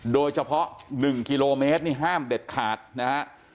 โดยเฉพาะ๑กิโลเมตรนี่ห้ามเด็ดขาดนะฮะ